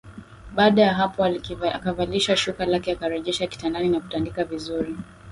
Baada ya hapo akalivalisha shuka lake akarejesha kitandani na kutandika vizuri